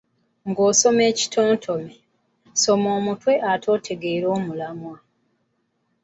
Ng’osoma ekitontome, soma omutwe ate otegeere omulamwa.